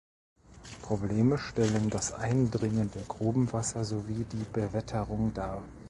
Probleme stellen das eindringende Grubenwasser sowie die Bewetterung dar.